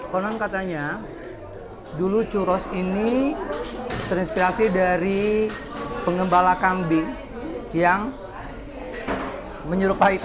konon katanya dulu churros ini terinspirasi dari pengembala kambing yang menyerupai